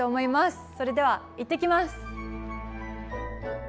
それでは行ってきます。